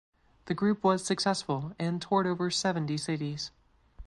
The group was successful and toured over seventy cities.